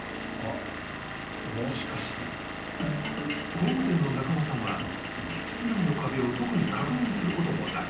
［工務店の中野さんは室内の壁を特に確認することもなく